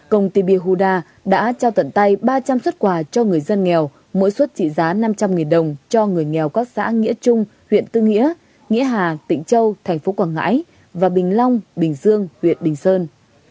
công ty biahuda đã trao tận tay ba trăm linh xuất quà cho người dân nghèo mỗi suất trị giá năm trăm linh đồng cho người nghèo các xã nghĩa trung huyện tư nghĩa nghĩa hà tĩnh châu thành phố quảng ngãi và bình long bình dương huyện bình sơn